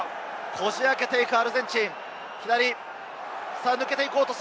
こじ開けていくアルゼンチン。